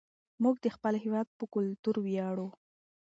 موږ د خپل هېواد په کلتور ویاړو.